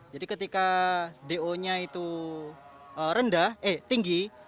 jadi ketika do nya itu rendah eh tinggi